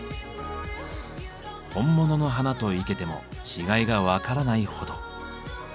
本物の花と生けても違いが分からないほど。